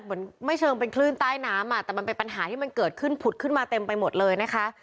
เหมือนไม่เชิงเป็นคลื่นใต้น้ำอ่ะแต่มันเป็นปัญหาที่มันเกิดขึ้นผุดขึ้นมาเต็มไปหมดเลยนะคะ